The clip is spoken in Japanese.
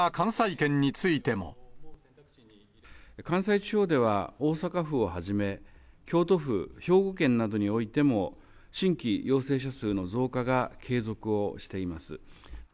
関西地方では、大阪府をはじめ、京都府、兵庫県などにおいても、新規陽性者数の増加が継続をしています。